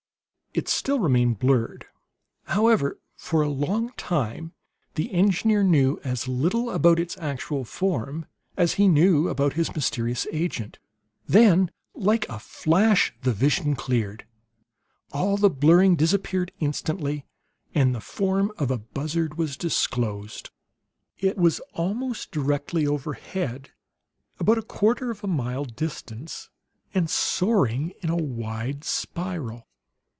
It still remained blurred, however; for a long time the engineer knew as little about its actual form as he knew about his mysterious agent. Then, like a flash, the vision cleared. All the blurring disappeared instantly, and the form of a buzzard was disclosed. It was almost directly overhead, about a quarter of a mile distant, and soaring in a wide spiral.